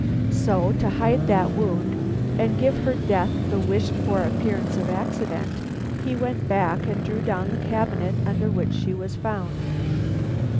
So to hide that wound and give to her death the wished for appearance of accident, he went back and drew down the cabinet under which she was found.